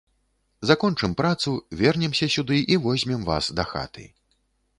Закончым працу, вернемся сюды і возьмем вас дахаты